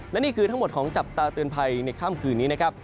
และนี่คือทั้งหมดของจับตาเตือนภัยในค่ำคืนนี้นะครับ